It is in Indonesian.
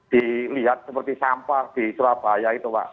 dilihat seperti sampah di surabaya itu pak